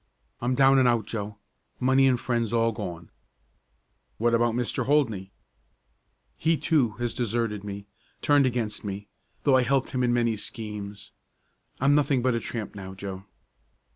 "I'm down and out, Joe. Money and friends all gone." "What about Mr. Holdney?" "He too, has deserted me turned against me, though I helped him in many schemes. I'm nothing but a tramp now, Joe."